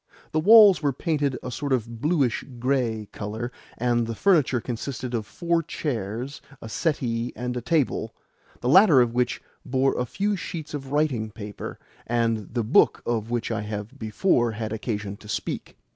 The walls were painted a sort of blueish grey colour, and the furniture consisted of four chairs, a settee, and a table the latter of which bore a few sheets of writing paper and the book of which I have before had occasion to speak.